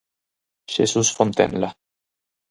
Xesús Fontenla.